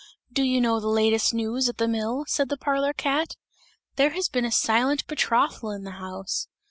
"Do you know the latest news at the mill?" said the parlour cat, "there has been a silent betrothal in the house!